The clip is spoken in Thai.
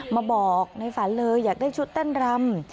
มาบอกในฝันเลยอยากได้ชุดเต้นรำ